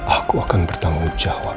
aku akan bertanggung jawab